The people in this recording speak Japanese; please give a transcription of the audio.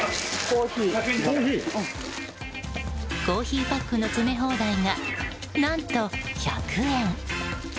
コーヒーパックの詰め放題が何と１００円！